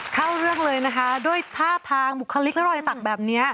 เข้าเรื่องเลยนะคะด้วยท่าทางบุคลิกและรอยสักแบบนี้